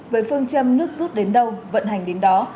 với phương châm nước rút đến đâu vận hành đến đó